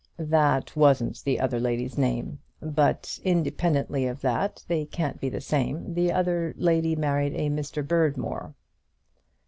"That wasn't the other lady's name. But, independently of that, they can't be the same. The other lady married a Mr. Berdmore."